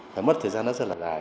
phải mất thời gian rất là dài